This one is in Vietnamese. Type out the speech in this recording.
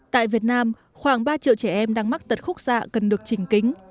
tại việt nam khoảng ba triệu trẻ em đang mắc tật khúc xạ cần được trình kính